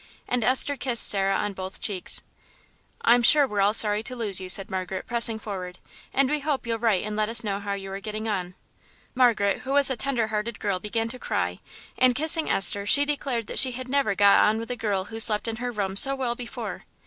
And Esther kissed Sarah on both cheeks. "I'm sure we're all sorry to lose you," said Margaret, pressing forward, "and we hope you'll write and let us know how you are getting on." Margaret, who was a tender hearted girl, began to cry, and, kissing Esther, she declared that she had never got on with a girl who slept in her room so well before.